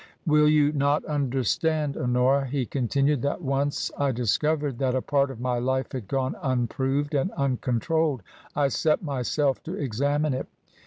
"Will you not understand, Honora," he continued, " that once I discovered that a part of my life had gone unproved and uncontrolled, I set myself to examine it